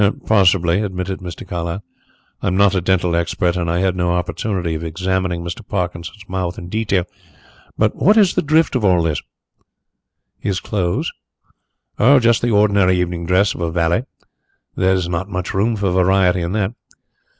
"Possibly," admitted Mr. Carlyle. "I am not a dental expert and I had no opportunity of examining Mr. Parkinson's mouth in detail. But what is the drift of all this?" "His clothes?" "Oh, just the ordinary evening dress of a valet. There is not much room for variety in that."